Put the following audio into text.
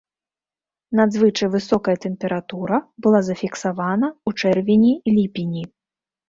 Надзвычай высокая тэмпература была зафіксавана ў чэрвені-ліпені.